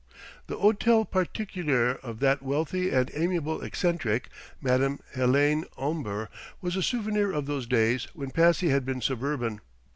The hôtel particulier of that wealthy and amiable eccentric, Madame Hélène Omber, was a souvenir of those days when Passy had been suburban.